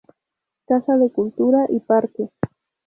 Casa de cultura y parque.